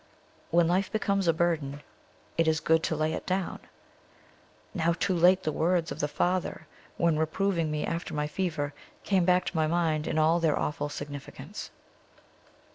"When life becomes a burden, it is good to lay it down"; now too late the words of the father, when reproving me after my fever, came back to my mind in all their awful significance.